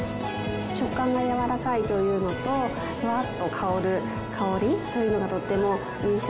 食感がやわらかいというのとふわっと香る香りというのがとっても印象的で。